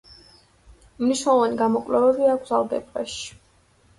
მნიშვნელოვანი გამოკვლევები აქვს ალგებრაში.